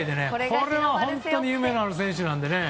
これは本当に夢のある選手なのでね